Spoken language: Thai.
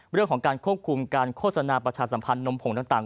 เรื่องของการควบคุมการโฆษณาประชาสัมพันธ์นมผงต่าง